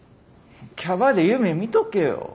キャバで夢みとけよ。